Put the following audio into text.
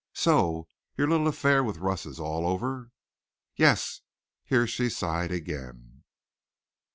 "So your little affair with Russ is all over?" "Yes." Here she sighed again.